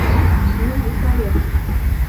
ولد إيطاليا.